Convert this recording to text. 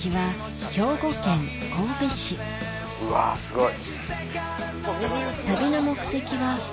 うわすごい。